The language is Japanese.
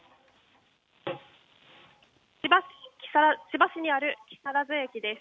千葉市にある木更津駅です。